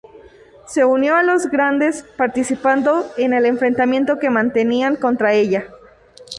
Se unió a los Grandes participando en el enfrentamiento que mantenían contra ella.